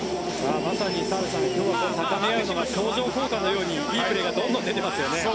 まさに澤部さん高め合うというか相乗効果のようにいいプレーがどんどん出てますね。